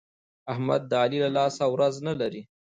احمد د علي له لاسه ورځ نه لري.